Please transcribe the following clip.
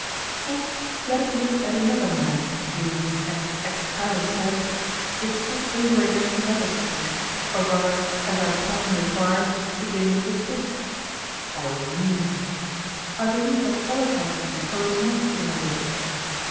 Next, let us look at another man who, as Aeschylus says, 'Is set over against another State;' or rather, as our plan requires, begin with the State. By all means. I believe that oligarchy follows next in order.